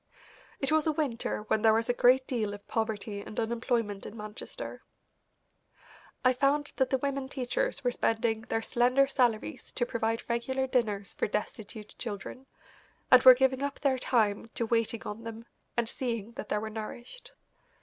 It was a winter when there was a great deal of poverty and unemployment in Manchester. I found that the women teachers were spending their slender salaries to provide regular dinners for destitute children, and were giving up their time to waiting on them and seeing that they were nourished.